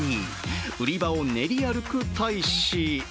売り場を練り歩く大使。